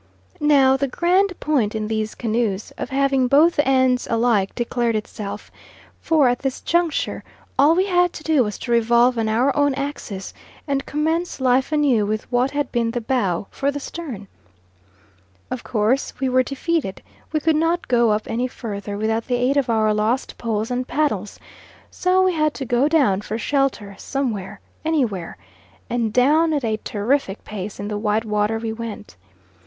Now the grand point in these canoes of having both ends alike declared itself; for at this juncture all we had to do was to revolve on our own axis and commence life anew with what had been the bow for the stern. Of course we were defeated, we could not go up any further without the aid of our lost poles and paddles, so we had to go down for shelter somewhere, anywhere, and down at a terrific pace in the white water we went.